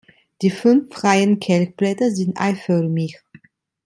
Die fünf freien Kelchblätter sind eiförmig.